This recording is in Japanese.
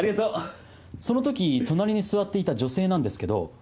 その時隣に座っていた女性なんですけど。